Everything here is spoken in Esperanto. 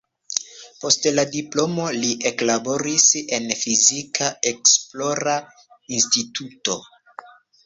Post la diplomo li eklaboris en fizika esplora instituto.